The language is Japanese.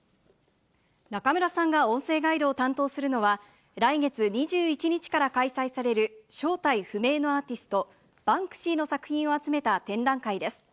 中村さんが音声ガイドを担当するのは、来月２１日から開催される、正体不明のアーティスト、バンクシーの作品を集めた展覧会です。